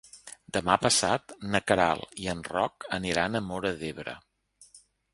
Demà passat na Queralt i en Roc aniran a Móra d'Ebre.